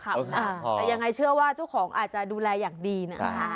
แต่ยังไงเชื่อว่าเจ้าของอาจจะดูแลอย่างดีนะ